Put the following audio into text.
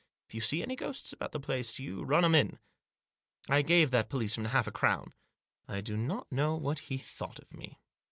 If you see any ghosts about the place you run 'em in." I gave that policeman half a crown. I do not know what he thought of me.